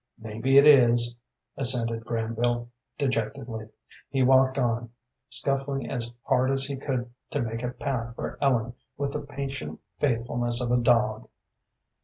"Maybe it is," assented Granville, dejectedly. He walked on, scuffling as hard as he could to make a path for Ellen with the patient faithfulness of a dog.